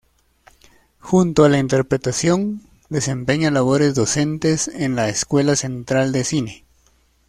Junto a la interpretación, desempeña labores docentes en la Escuela Central de Cine.